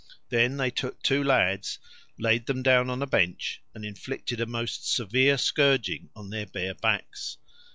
Then they took two lads, laid them down on a bench, and inflicted a most severe scourging on their bare backs.